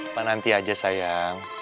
mbah nanti aja sayang